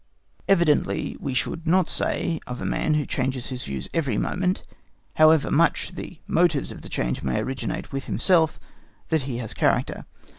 Evidently we should not say of a man who changes his views every moment, however much the motives of change may originate with himself, that he has character.